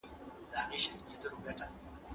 سياست له بېلو وختونو څخه بېلې او پېچلې پايلي لري.